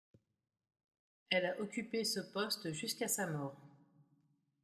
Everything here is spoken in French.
Elle a occupé ce poste jusqu'à sa mort.